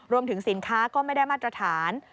รวมถึงสินค้าก็ไม่ได้มาตรฐาน